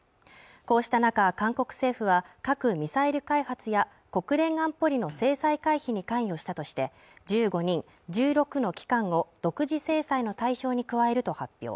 こうした中韓国政府は核ミサイル開発や国連安保理の制裁回避に関与したとして１５２６の機関を独自制裁の対象に加えると発表